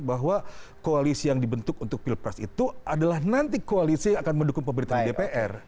bahwa koalisi yang dibentuk untuk pilpres itu adalah nanti koalisi yang akan mendukung pemerintahan dpr